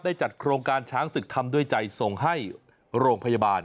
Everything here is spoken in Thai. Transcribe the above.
จัดโครงการช้างศึกทำด้วยใจส่งให้โรงพยาบาล